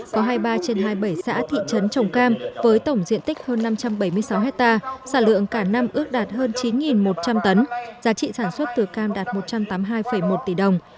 có hai mươi ba trên hai mươi bảy xã thị trấn trồng cam với tổng diện tích hơn năm trăm bảy mươi sáu hectare sản lượng cả năm ước đạt hơn chín một trăm linh tấn giá trị sản xuất từ cam đạt một trăm tám mươi hai một tỷ đồng